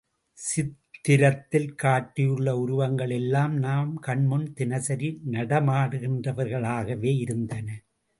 சித்திரத்தில் காட்டியுள்ள உருவங்கள் எல்லாம் நாம் கண்முன் தினசரி நடமாடுகின்றவைகளாகவே இருந்தன.